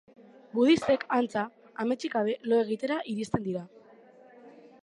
Budistek, antza, ametsik gabe lo egitera iristen dira.